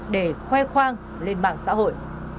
để khoe khoang lên bảng xã hội